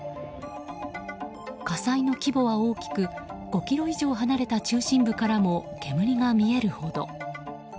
火災の規模は大きく５ｋｍ以上離れた中心部からも煙が見えるほど。